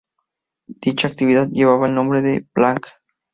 Dicha actividad llevaba el nombre de "Plank".